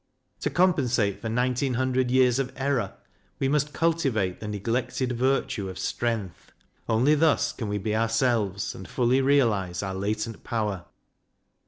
To compensate for nineteen hundred years of error, we must cultivate the neglected virtue of strength. Only thus can we be ourselves, and fully realize our latent power.